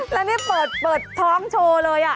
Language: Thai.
แล้วนี่เปิดท้องโชว์เลย